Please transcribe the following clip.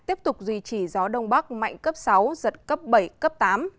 tiếp tục duy trì gió đông bắc mạnh cấp sáu giật cấp bảy cấp tám